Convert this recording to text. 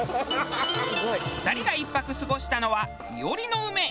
２人が１泊過ごしたのは庵梅。